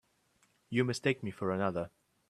You mistake me for another.